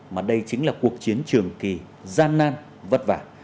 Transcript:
mà đây chính là cuộc chiến trường kỳ gian nan vất vả